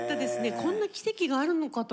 こんな奇跡があるのかと思いました。